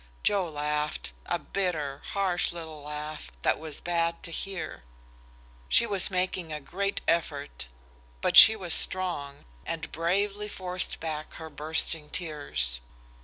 Joe laughed, a bitter, harsh little laugh, that was bad to hear. She was making a great effort, but she was strong, and bravely forced back her bursting tears.